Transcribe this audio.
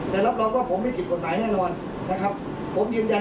แล้วท่านศรีเขาบอกว่าท่านหมอสั่งการนาฬิการ